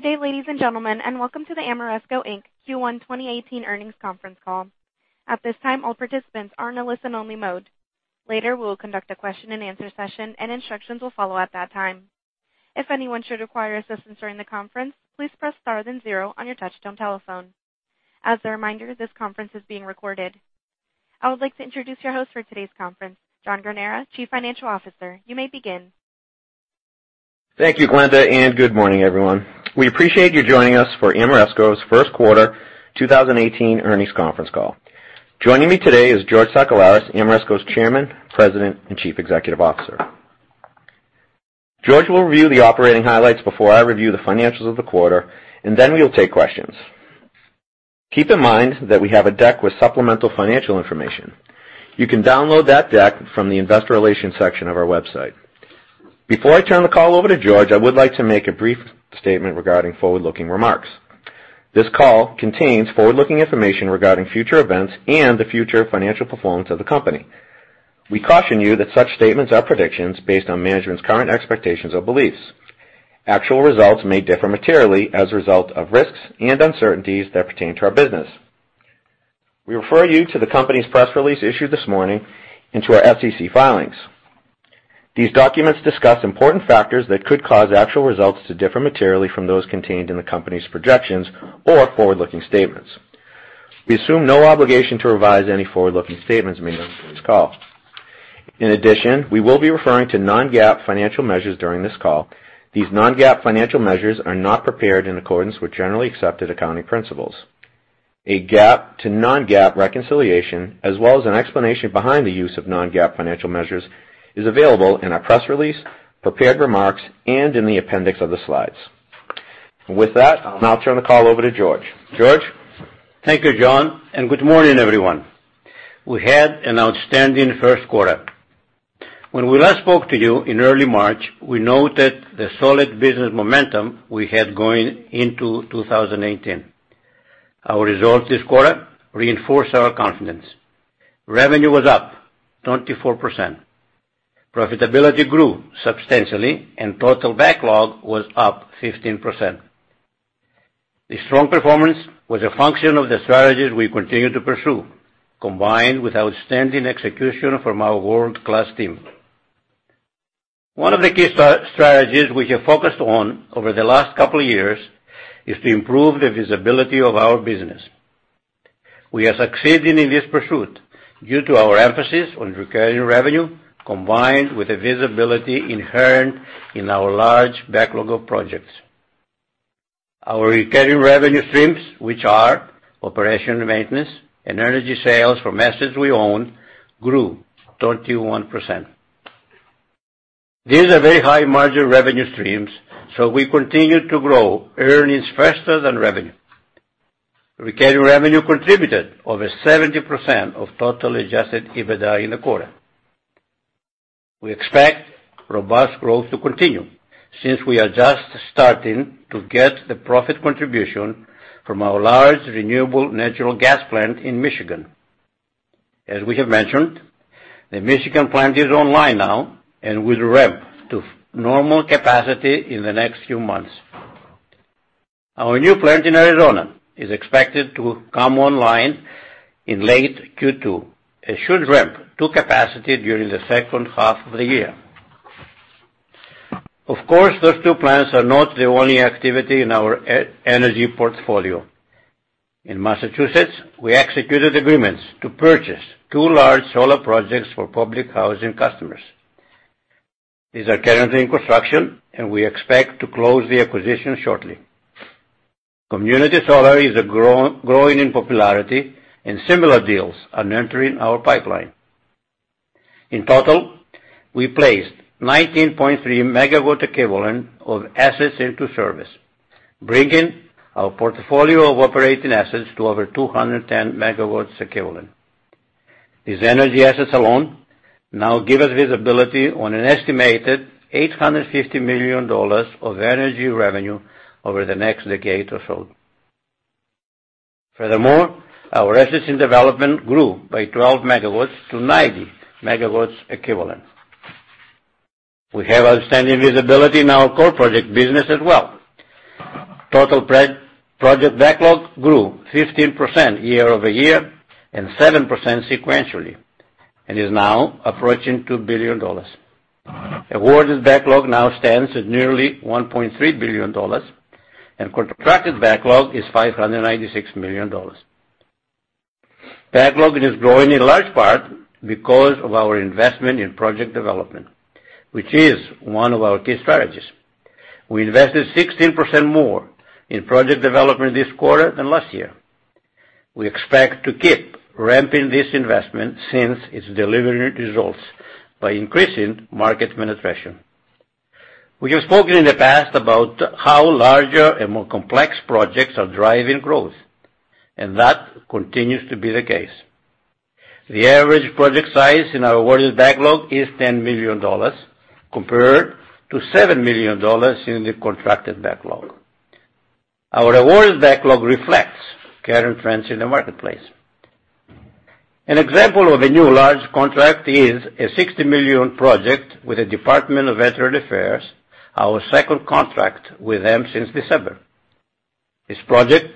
Good day, ladies and gentlemen, and welcome to the Ameresco Inc. Q1 2018 earnings conference call. At this time, all participants are in a listen-only mode. Later, we will conduct a question-and-answer session, and instructions will follow at that time. If anyone should require assistance during the conference, please press star then zero on your touchtone telephone. As a reminder, this conference is being recorded. I would like to introduce your host for today's conference, John Granara, Chief Financial Officer. You may begin. Thank you, Glenda, and good morning, everyone. We appreciate you joining us for Ameresco's first quarter, 2018 earnings conference call. Joining me today is George Sakellaris, Ameresco's Chairman, President, and Chief Executive Officer. George will review the operating highlights before I review the financials of the quarter, and then we will take questions. Keep in mind that we have a deck with supplemental financial information. You can download that deck from the investor relations section of our website. Before I turn the call over to George, I would like to make a brief statement regarding forward-looking remarks. This call contains forward-looking information regarding future events and the future financial performance of the company. We caution you that such statements are predictions based on management's current expectations or beliefs. Actual results may differ materially as a result of risks and uncertainties that pertain to our business. We refer you to the company's press release issued this morning into our SEC filings. These documents discuss important factors that could cause actual results to differ materially from those contained in the company's projections or forward-looking statements. We assume no obligation to revise any forward-looking statements made on this call. In addition, we will be referring to non-GAAP financial measures during this call. These non-GAAP financial measures are not prepared in accordance with generally accepted accounting principles. A GAAP to non-GAAP reconciliation, as well as an explanation behind the use of non-GAAP financial measures, is available in our press release, prepared remarks, and in the appendix of the slides. With that, I'll now turn the call over to George. George? Thank you, John, and good morning, everyone. We had an outstanding first quarter. When we last spoke to you in early March, we noted the solid business momentum we had going into 2018. Our results this quarter reinforce our confidence. Revenue was up 24%. Profitability grew substantially, and total backlog was up 15%. The strong performance was a function of the strategies we continue to pursue, combined with outstanding execution from our world-class team. One of the key strategies we have focused on over the last couple of years is to improve the visibility of our business. We are succeeding in this pursuit due to our emphasis on recurring revenue, combined with the visibility inherent in our large backlog of projects. Our recurring revenue streams, which are operation and maintenance and energy sales from assets we own, grew 31%. These are very high-margin revenue streams, so we continue to grow earnings faster than revenue. Recurring revenue contributed over 70% of total Adjusted EBITDA in the quarter. We expect robust growth to continue since we are just starting to get the profit contribution from our large renewable natural gas plant in Michigan. As we have mentioned, the Michigan plant is online now and will ramp to normal capacity in the next few months. Our new plant in Arizona is expected to come online in late Q2 and should ramp to capacity during the second half of the year. Of course, those two plants are not the only activity in our energy portfolio. In Massachusetts, we executed agreements to purchase two large solar projects for public housing customers. These are currently in construction, and we expect to close the acquisition shortly. community solar is growing in popularity, and similar deals are entering our pipeline. In total, we placed 19.3 megawatt equivalent of assets into service, bringing our portfolio of operating assets to over 210 megawatts equivalent. These energy assets alone now give us visibility on an estimated $850 million of energy revenue over the next decade or so. Furthermore, our assets in development grew by 12 megawatts to 90 megawatts equivalent. We have outstanding visibility in our core project business as well. Total pre-project backlog grew 15% year-over-year and 7% sequentially, and is now approaching $2 billion. Awarded backlog now stands at nearly $1.3 billion, and contracted backlog is $596 million. Backlog is growing in large part because of our investment in project development, which is one of our key strategies. We invested 16% more in project development this quarter than last year. We expect to keep ramping this investment since it's delivering results by increasing market penetration. We have spoken in the past about how larger and more complex projects are driving growth, and that continues to be the case. The average project size in our awarded backlog is $10 million, compared to $7 million in the contracted backlog. Our awards backlog reflects current trends in the marketplace. An example of a new large contract is a $60 million project with the Department of Veterans Affairs, our second contract with them since December. This project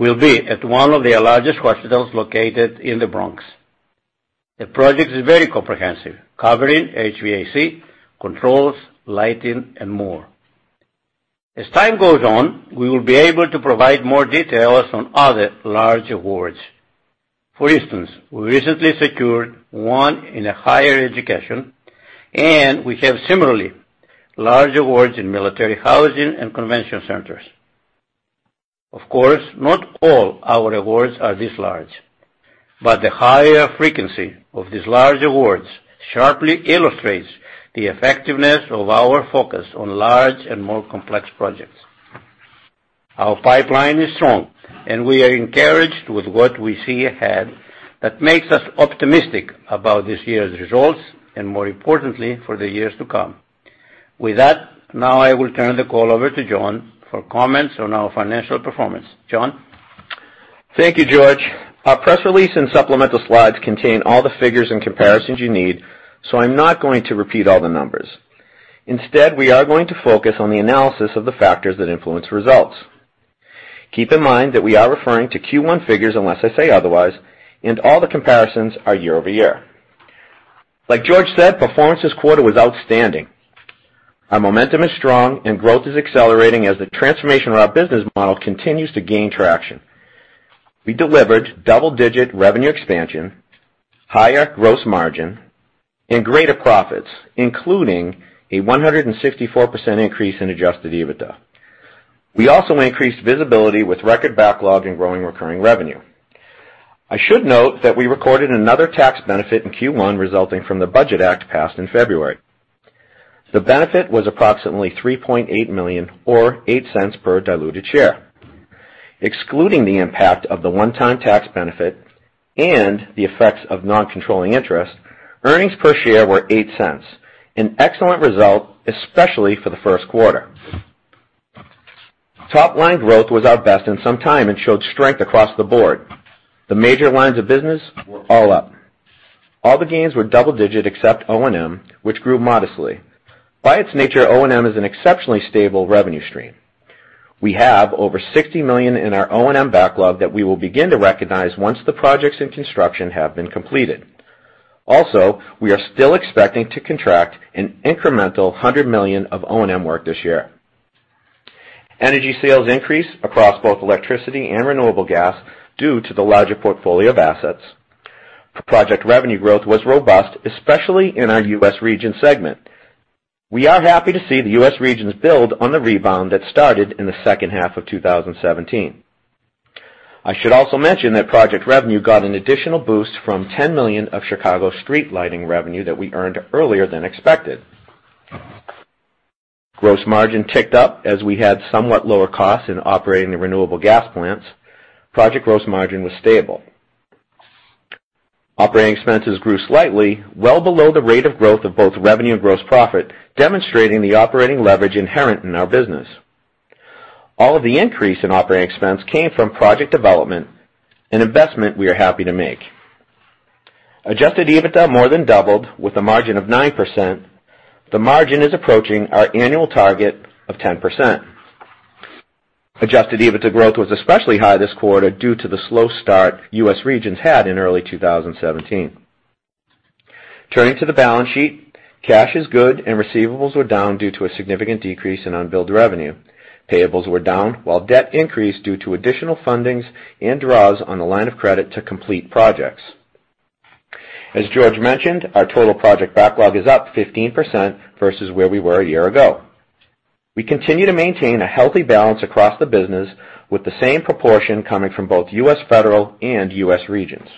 will be at one of their largest hospitals located in the Bronx. The project is very comprehensive, covering HVAC, controls, lighting, and more. As time goes on, we will be able to provide more details on other large awards. For instance, we recently secured one in a higher education, and we have similarly large awards in military housing and convention centers. Of course, not all our awards are this large, but the higher frequency of these large awards sharply illustrates the effectiveness of our focus on large and more complex projects. Our pipeline is strong, and we are encouraged with what we see ahead. That makes us optimistic about this year's results and, more importantly, for the years to come. With that, now I will turn the call over to John for comments on our financial performance. John? Thank you, George. Our press release and supplemental slides contain all the figures and comparisons you need, so I'm not going to repeat all the numbers. Instead, we are going to focus on the analysis of the factors that influence results. Keep in mind that we are referring to Q1 figures, unless I say otherwise, and all the comparisons are year-over-year. Like George said, performance this quarter was outstanding. Our momentum is strong, and growth is accelerating as the transformation of our business model continues to gain traction. We delivered double-digit revenue expansion, higher gross margin, and greater profits, including a 164% increase in Adjusted EBITDA. We also increased visibility with record backlog and growing recurring revenue. I should note that we recorded another tax benefit in Q1, resulting from the Budget Act passed in February. The benefit was approximately $3.8 million, or $0.08 per diluted share. Excluding the impact of the one-time tax benefit and the effects of non-controlling interest, earnings per share were $0.08, an excellent result, especially for the first quarter. Top-line growth was our best in some time and showed strength across the board. The major lines of business were all up. All the gains were double-digit except O&M, which grew modestly. By its nature, O&M is an exceptionally stable revenue stream. We have over $60 million in our O&M backlog that we will begin to recognize once the projects in construction have been completed. Also, we are still expecting to contract an incremental $100 million of O&M work this year. Energy sales increased across both electricity and renewable gas due to the larger portfolio of assets. Project revenue growth was robust, especially in our U.S. Region segment. We are happy to see the U.S. Regions build on the rebound that started in the second half of 2017. I should also mention that project revenue got an additional boost from $10 million of Chicago street lighting revenue that we earned earlier than expected. Gross margin ticked up as we had somewhat lower costs in operating the renewable gas plants. Project gross margin was stable. Operating expenses grew slightly, well below the rate of growth of both revenue and gross profit, demonstrating the operating leverage inherent in our business. All of the increase in operating expense came from project development, an investment we are happy to make. Adjusted EBITDA more than doubled with a margin of 9%. The margin is approaching our annual target of 10%. Adjusted EBITDA growth was especially high this quarter due to the slow start U.S. Regions had in early 2017. Turning to the balance sheet, cash is good and receivables were down due to a significant decrease in unbilled revenue. Payables were down, while debt increased due to additional fundings and draws on the line of credit to complete projects. As George mentioned, our total project backlog is up 15% versus where we were a year ago. We continue to maintain a healthy balance across the business, with the same proportion coming from both U.S. Federal and U.S. Regions.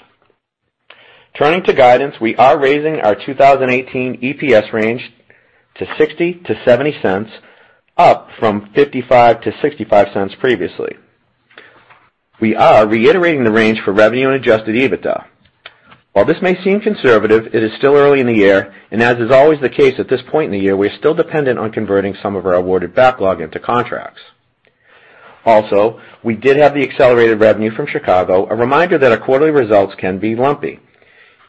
Turning to guidance, we are raising our 2018 EPS range to $0.60-$0.70, up from $0.55-$0.65 previously. We are reiterating the range for revenue and adjusted EBITDA. While this may seem conservative, it is still early in the year, and as is always the case at this point in the year, we are still dependent on converting some of our awarded backlog into contracts. Also, we did have the accelerated revenue from Chicago, a reminder that our quarterly results can be lumpy.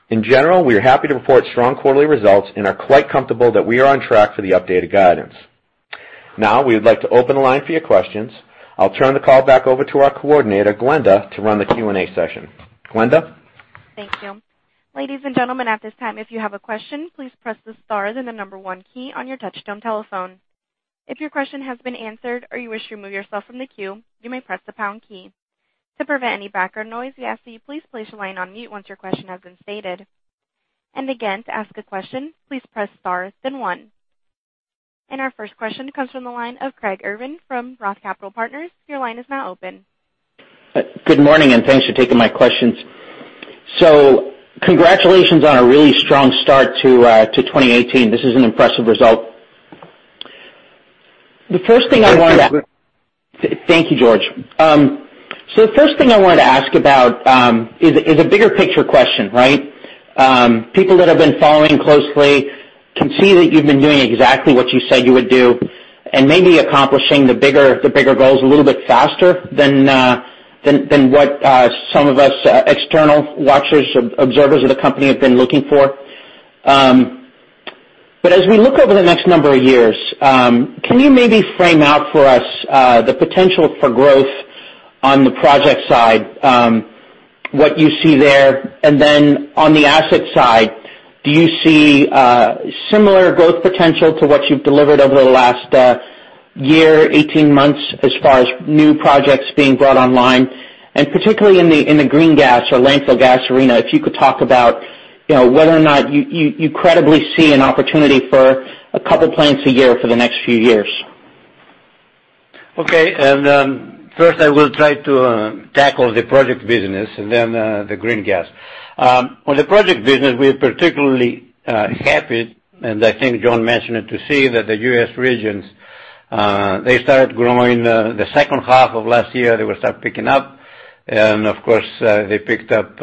In general, we are happy to report strong quarterly results and are quite comfortable that we are on track for the updated guidance. Now, we would like to open the line for your questions. I'll turn the call back over to our coordinator, Glenda, to run the Q&A session. Glenda? Thank you. Ladies and gentlemen, at this time, if you have a question, please press the star then the number one key on your touch-tone telephone. If your question has been answered or you wish to remove yourself from the queue, you may press the pound key. To prevent any background noise, we ask that you please place your line on mute once your question has been stated. And again, to ask a question, please press star, then one. And our first question comes from the line of Craig Irwin from Roth Capital Partners. Your line is now open. Good morning, and thanks for taking my questions. So congratulations on a really strong start to 2018. This is an impressive result. The first thing I wanted to. Thank you, George. So the first thing I wanted to ask about is a bigger picture question, right? People that have been following closely can see that you've been doing exactly what you said you would do, and maybe accomplishing the bigger, the bigger goals a little bit faster than what some of us external watchers or observers of the company have been looking for. But as we look over the next number of years, can you maybe frame out for us the potential for growth on the project side, what you see there? And then on the asset side, do you see similar growth potential to what you've delivered over the last year, 18 months, as far as new projects being brought online? And particularly in the green gas or landfill gas arena, if you could talk about, you know, whether or not you credibly see an opportunity for a couple plants a year for the next few years. Okay. And first, I will try to tackle the project business and then, the green gas. On the project business, we are particularly happy, and I think John mentioned it, to see that the U.S. Regions, they started growing, the second half of last year, they will start picking up. And of course, they picked up,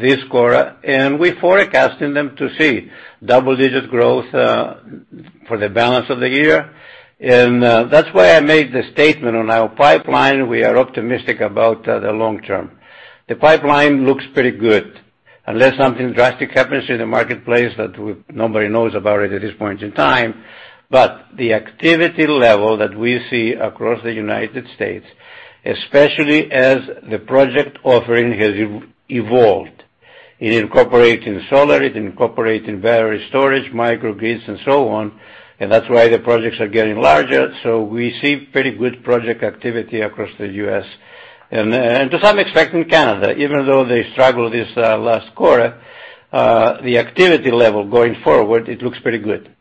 this quarter, and we're forecasting them to see double-digit growth, for the balance of the year. And, that's why I made the statement on our pipeline, we are optimistic about, the long term. The pipeline looks pretty good, unless something drastic happens in the marketplace that nobody knows about it at this point in time. But the activity level that we see across the United States, especially as the project offering has evolved. It incorporates in solar, it incorporates in battery storage, microgrids, and so on, and that's why the projects are getting larger. So we see pretty good project activity across the U.S., and to some extent, in Canada. Even though they struggled this last quarter, the activity level going forward, it looks pretty good.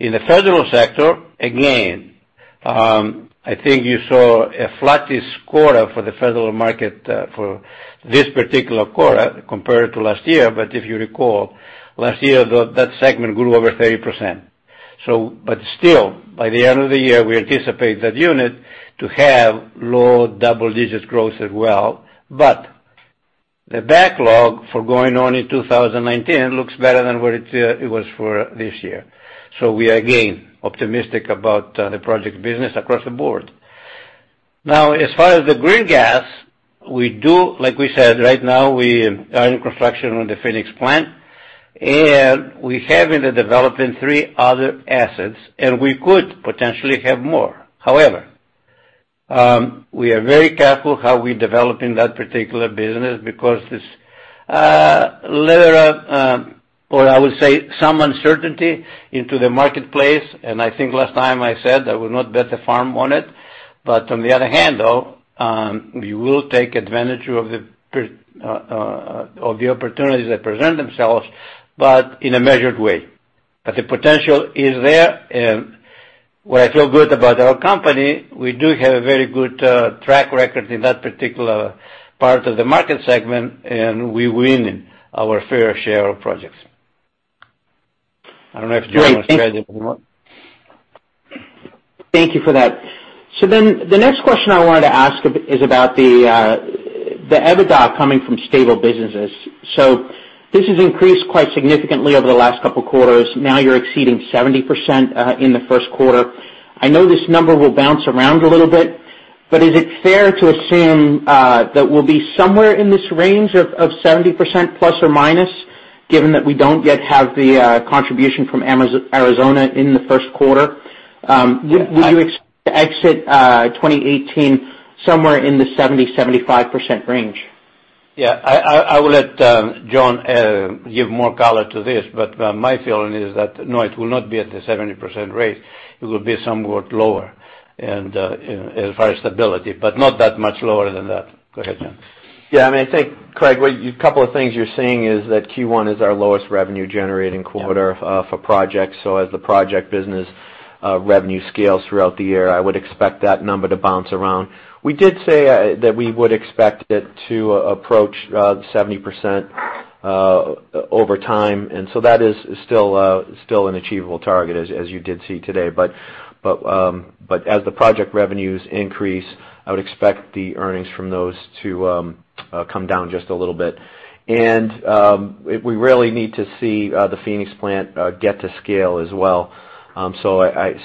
In the federal sector, again, I think you saw a flattish quarter for the federal market, for this particular quarter compared to last year. But if you recall, last year, that segment grew over 30%. So but still, by the end of the year, we anticipate that unit to have low double-digit growth as well. But the backlog for going on in 2019 looks better than what it was for this year. So we are again optimistic about the project business across the board. Now, as far as the green gas, we do, like we said, right now, we are in construction on the Phoenix plant, and we have in the development three other assets, and we could potentially have more. However, we are very careful how we're developing that particular business because this little, or I would say, some uncertainty into the marketplace, and I think last time I said I would not bet the farm on it. But on the other hand, though, we will take advantage of the opportunities that present themselves, but in a measured way. But the potential is there, and where I feel good about our company, we do have a very good track record in that particular part of the market segment, and we win our fair share of projects. I don't know if John wants to add anymore. Thank you for that. So then the next question I wanted to ask about is the EBITDA coming from stable businesses. So this has increased quite significantly over the last couple of quarters. Now, you're exceeding 70% in the first quarter. I know this number will bounce around a little bit, but is it fair to assume that we'll be somewhere in this range of 70%, plus or minus, given that we don't yet have the contribution from Arizona in the first quarter? Would you expect to exit 2018 somewhere in the 70%-75% range? Yeah, I will let John give more color to this, but my feeling is that, no, it will not be at the 70% rate. It will be somewhat lower, and as far as stability, but not that much lower than that. Go ahead, John. Yeah, I mean, I think, Craig, a couple of things you're seeing is that Q1 is our lowest revenue-generating quarter. Yeah for projects. So as the project business, revenue scales throughout the year, I would expect that number to bounce around. We did say that we would expect it to approach 70% over time, and so that is still an achievable target, as you did see today. But as the project revenues increase, I would expect the earnings from those to come down just a little bit. And we really need to see the Phoenix plant get to scale as well. So it's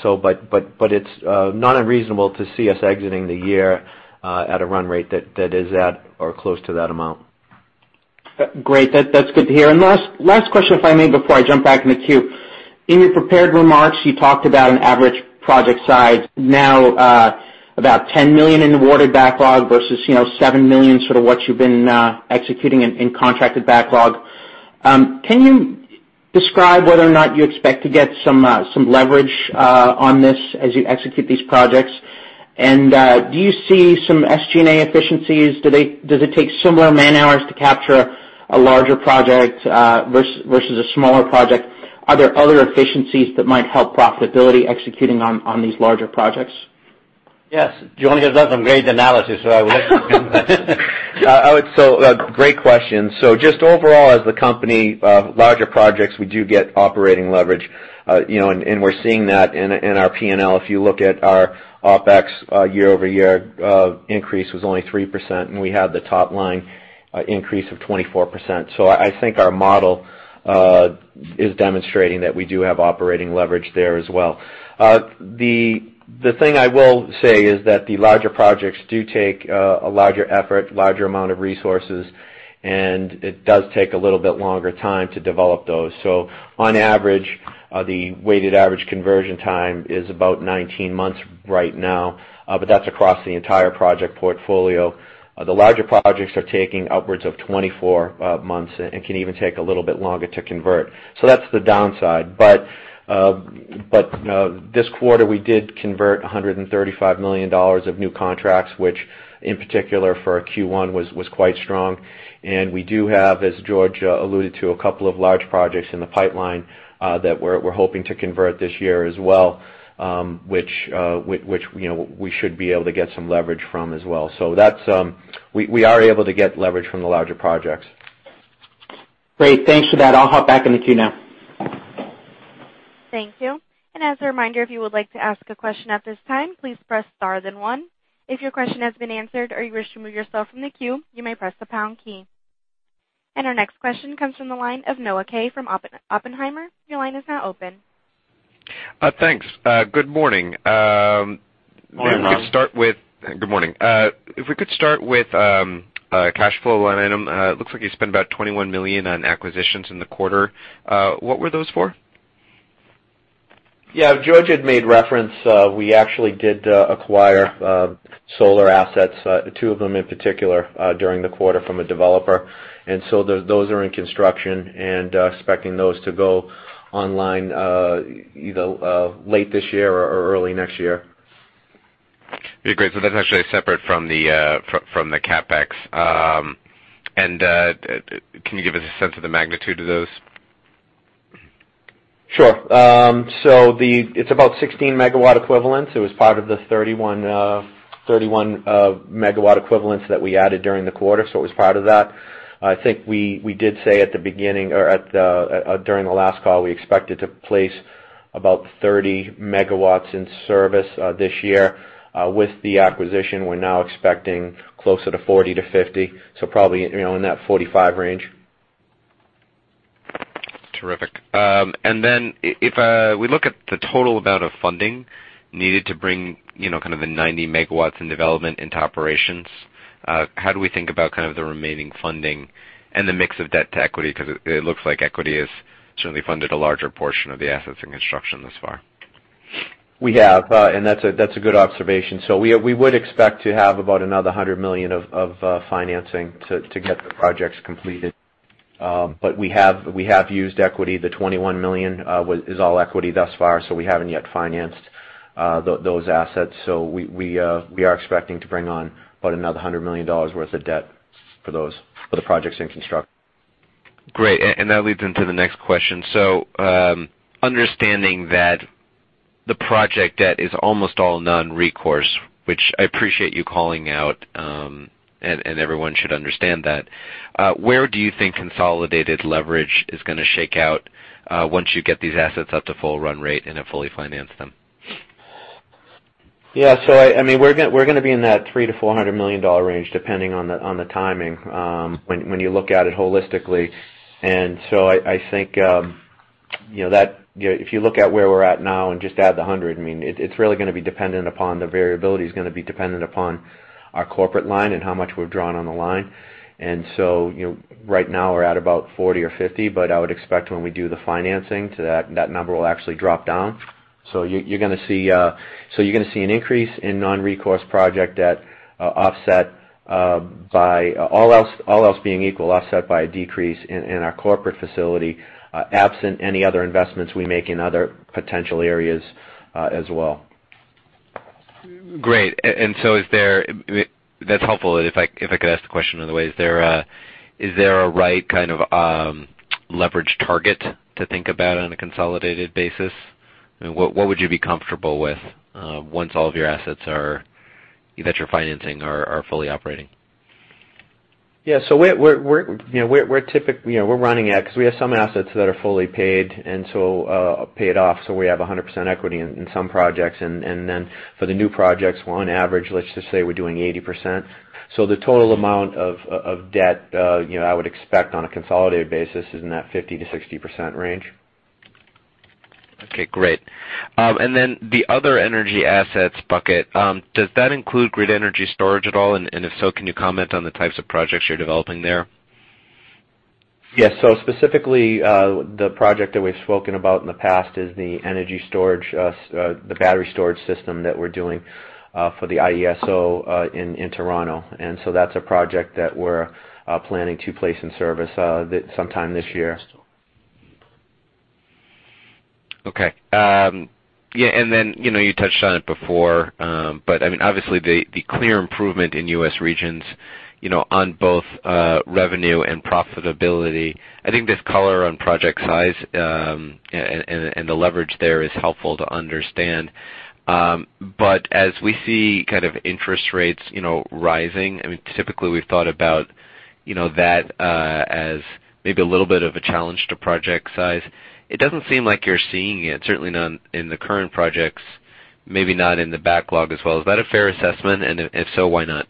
not unreasonable to see us exiting the year at a run rate that is at or close to that amount. Great. That, that's good to hear. And last question, if I may, before I jump back in the queue. In your prepared remarks, you talked about an average project size, now, about $10 million in awarded backlog versus, you know, $7 million, sort of what you've been executing in contracted backlog. Can you describe whether or not you expect to get some some leverage on this as you execute these projects? And, do you see some SG&A efficiencies? Does it take similar man-hours to capture a larger project, versus a smaller project? Are there other efficiencies that might help profitability executing on these larger projects? Yes. John has done some great analysis, so I will let him. So, great question. So just overall, as the company, larger projects, we do get operating leverage. You know, and we're seeing that in our P&L. If you look at our OpEx, year-over-year increase was only 3%, and we had the top line increase of 24%. So I think our model is demonstrating that we do have operating leverage there as well. The thing I will say is that the larger projects do take a larger effort, larger amount of resources, and it does take a little bit longer time to develop those. So on average, the weighted average conversion time is about 19 months right now, but that's across the entire project portfolio. The larger projects are taking upwards of 24 months and can even take a little bit longer to convert. So that's the downside. But this quarter, we did convert $135 million of new contracts, which, in particular, for our Q1, was quite strong. And we do have, as George alluded to, a couple of large projects in the pipeline that we're hoping to convert this year as well, which, you know, we should be able to get some leverage from as well. So that's. We are able to get leverage from the larger projects. Great. Thanks for that. I'll hop back in the queue now. Thank you. As a reminder, if you would like to ask a question at this time, please press star then 1. If your question has been answered or you wish to remove yourself from the queue, you may press the pound key. Our next question comes from the line of Noah Kaye from Oppenheimer. Your line is now open. Thanks. Good morning. Morning, Noah. Let's start with... Good morning. If we could start with cash flow line item. It looks like you spent about $21 million on acquisitions in the quarter. What were those for? Yeah, George had made reference. We actually did acquire solar assets, two of them in particular, during the quarter from a developer. And so those are in construction, and expecting those to go online, either late this year or early next year. Okay, great. So that's actually separate from the CapEx. And can you give us a sense of the magnitude of those? Sure. So it's about 16 megawatt equivalents. It was part of the 31 megawatt equivalents that we added during the quarter, so it was part of that. I think we did say at the beginning, or during the last call, we expected to place about 30 megawatts in service this year. With the acquisition, we're now expecting closer to 40-50, so probably, you know, in that 45 range. Terrific. And then if we look at the total amount of funding needed to bring, you know, kind of the 90 megawatts in development into operations, how do we think about kind of the remaining funding and the mix of debt to equity? Because it looks like equity has certainly funded a larger portion of the assets in construction thus far. We have, and that's a good observation. So we would expect to have about another $100 million of financing to get the projects completed. But we have used equity. The $21 million was- is all equity thus far, so we haven't yet financed those assets. So we are expecting to bring on about another $100 million worth of debt for those, for the projects in construction. Great. And that leads into the next question. So, understanding that the project debt is almost all non-recourse, which I appreciate you calling out, and, and everyone should understand that, where do you think consolidated leverage is gonna shake out, once you get these assets up to full run rate and have fully financed them? Yeah, so I mean, we're gonna be in that $300-$400 million range, depending on the timing, when you look at it holistically. So I think, you know, that, you know, if you look at where we're at now and just add the hundred, I mean, it's really gonna be dependent upon, the variability is gonna be dependent upon our corporate line and how much we've drawn on the line. So, you know, right now, we're at about $40 or $50, but I would expect when we do the financing to that, that number will actually drop down. So you're gonna see an increase in non-recourse project debt, offset by all else being equal, offset by a decrease in our corporate facility, absent any other investments we make in other potential areas, as well. Great. And so is there... I mean, that's helpful. If I, if I could ask the question another way: Is there a, is there a right kind of, leverage target to think about on a consolidated basis? I mean, what, what would you be comfortable with, once all of your assets are, either that you're financing, are, are fully operating? Yeah, so you know, we're running at, because we have some assets that are fully paid, and so, paid off, so we have 100% equity in some projects. And then for the new projects, on average, let's just say we're doing 80%. So the total amount of debt, you know, I would expect on a consolidated basis is in that 50%-60% range. Okay, great. And then the other energy assets bucket, does that include grid energy storage at all? And if so, can you comment on the types of projects you're developing there? Yes. So specifically, the project that we've spoken about in the past is the energy storage, the battery storage system that we're doing for the IESO in Toronto. And so that's a project that we're planning to place in service sometime this year. Okay. Yeah, and then, you know, you touched on it before, but I mean, obviously, the clear improvement in U.S. Regions, you know, on both, revenue and profitability, I think this color on project size, and the leverage there is helpful to understand. But as we see kind of interest rates, you know, rising, I mean, typically, we've thought about, you know, that as maybe a little bit of a challenge to project size. It doesn't seem like you're seeing it, certainly not in the current projects.maybe not in the backlog as well. Is that a fair assessment? And if so, why not?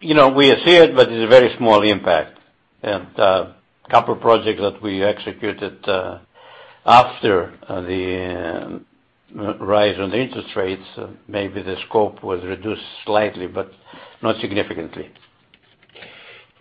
You know, we see it, but it's a very small impact. And, couple of projects that we executed after the rise in the interest rates, maybe the scope was reduced slightly, but not significantly.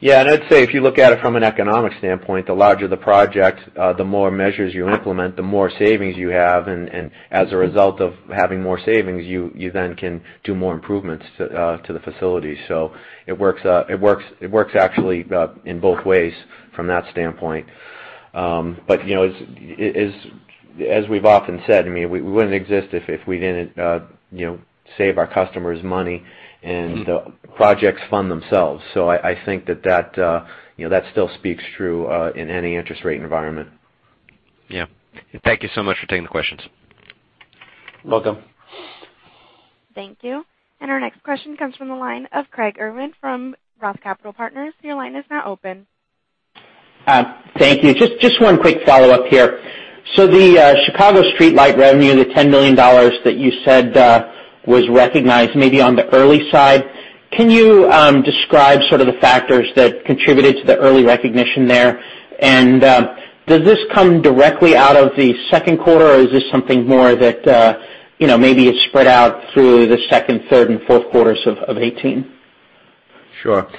Yeah, and I'd say if you look at it from an economic standpoint, the larger the project, the more measures you implement, the more savings you have. And as a result of having more savings, you then can do more improvements to the facility. So it works, it works, it works actually in both ways from that standpoint. But you know, as we've often said, I mean, we wouldn't exist if we didn't you know, save our customers money, and the projects fund themselves. So I think that that you know, that still speaks true in any interest rate environment. Yeah. Thank you so much for taking the questions. Welcome. Thank you. Our next question comes from the line of Craig Irwin from Roth Capital Partners. Your line is now open. Thank you. Just one quick follow-up here. So the Chicago streetlight revenue, the $10 million that you said was recognized, maybe on the early side, can you describe sort of the factors that contributed to the early recognition there? And, does this come directly out of the second quarter, or is this something more that, you know, maybe it's spread out through the second, third, and fourth quarters of 2018? Sure.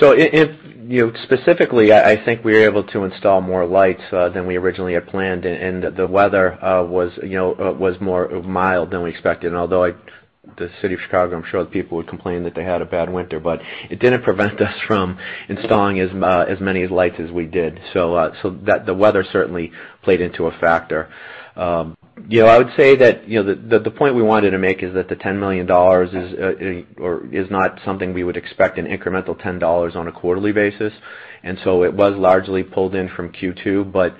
So if, you know, specifically, I think we were able to install more lights than we originally had planned, and the weather was, you know, more mild than we expected. Although, the city of Chicago, I'm sure the people would complain that they had a bad winter, but it didn't prevent us from installing as many lights as we did. So, so that... the weather certainly played into a factor. You know, I would say that, you know, the point we wanted to make is that the $10 million is or is not something we would expect an incremental $10 on a quarterly basis. And so it was largely pulled in from Q2, but,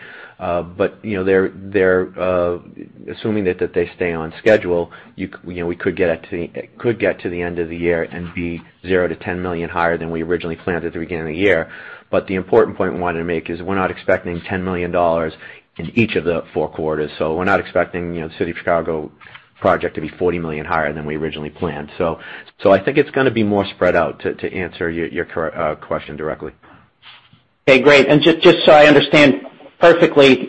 you know, they're assuming that they stay on schedule, you know, we could get it to the end of the year and be $0-$10 million higher than we originally planned at the beginning of the year. But the important point we wanted to make is we're not expecting $10 million in each of the four quarters, so we're not expecting, you know, the city of Chicago project to be $40 million higher than we originally planned. So I think it's gonna be more spread out, to answer your question directly. Okay, great. And just, just so I understand perfectly,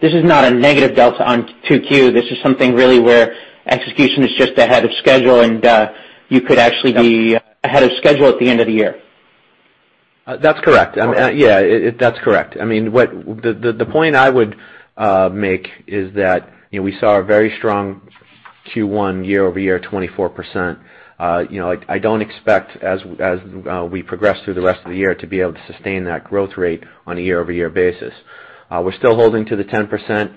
this is not a negative delta on 2Q. This is something really where execution is just ahead of schedule, and, you could actually- Yep... be ahead of schedule at the end of the year. That's correct. Okay. I mean, yeah, it. That's correct. I mean, the point I would make is that, you know, we saw a very strong Q1 year-over-year, 24%. You know, I don't expect as we progress through the rest of the year, to be able to sustain that growth rate on a year-over-year basis. We're still holding to the 10%,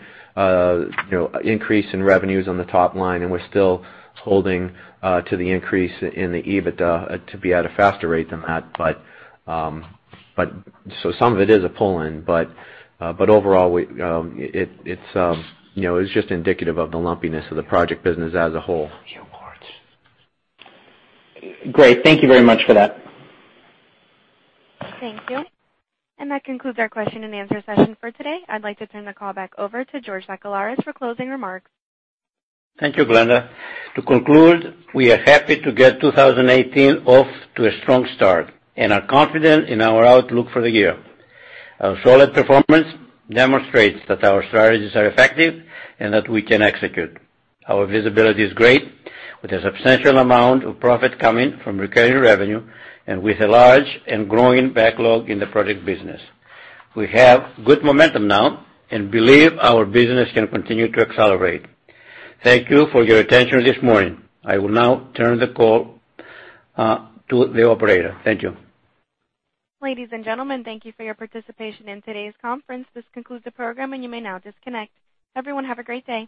you know, increase in revenues on the top line, and we're still holding to the increase in the EBITDA to be at a faster rate than that. But so some of it is a pull-in, but overall, it's just indicative of the lumpiness of the project business as a whole. Great. Thank you very much for that. Thank you. That concludes our question and answer session for today. I'd like to turn the call back over to George Sakellaris for closing remarks. Thank you, Glenda. To conclude, we are happy to get 2018 off to a strong start and are confident in our outlook for the year. Our solid performance demonstrates that our strategies are effective and that we can execute. Our visibility is great, with a substantial amount of profit coming from recurring revenue and with a large and growing backlog in the project business. We have good momentum now and believe our business can continue to accelerate. Thank you for your attention this morning. I will now turn the call to the operator. Thank you. Ladies and gentlemen, thank you for your participation in today's conference. This concludes the program, and you may now disconnect. Everyone, have a great day.